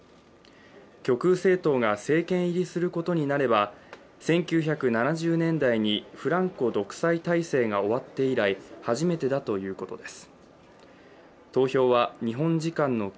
極右政党が政権入りすることになれば１９７０年代にフランコ独裁体制が終わって以来初めてだということです。